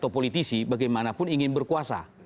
atau politisi bagaimanapun ingin berkuasa